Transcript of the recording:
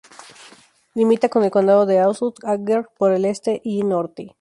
Limita con el condado de Aust-Agder por el este y norte.